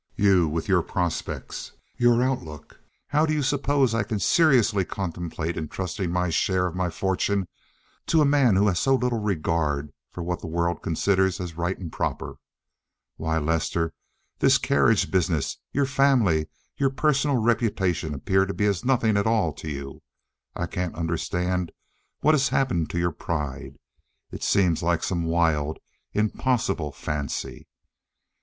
You with your prospects! Your outlook! How do you suppose I can seriously contemplate entrusting any share of my fortune to a man who has so little regard for what the world considers as right and proper? Why, Lester, this carriage business, your family, your personal reputation appear to be as nothing at all to you. I can't understand what has happened to your pride. It seems like some wild, impossible fancy."